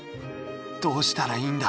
どうしたらいいんだ？